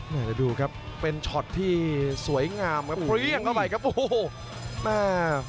เดี๋ยวดูครับเป็นช็อตที่สวยงามครับเปรี้ยงเข้าไปครับโอ้โหแม่